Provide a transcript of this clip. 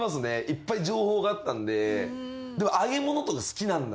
いっぱい情報があったんで。